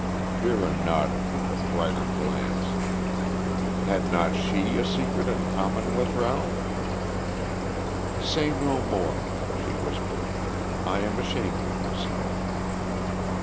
Vera nodded with a brighter glance. Had not she a secret in common with Ralph? "Say no more," she whispered. "I am ashamed of myself."